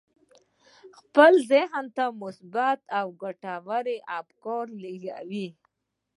خپل ذهن ته مثبت او ګټور افکار ولېږئ.